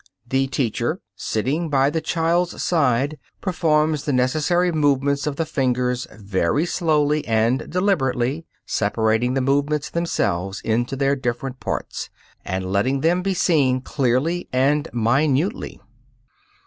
3.) The teacher, sitting by the child's side, performs the necessary movements of the fingers very slowly and deliberately, separating the movements themselves into their different parts, and letting them be seen clearly and minutely.